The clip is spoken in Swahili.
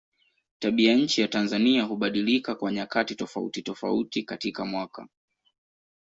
Tabianchi ya Tanzania hubadilika kwa nyakati tofautitofauti katika mwaka.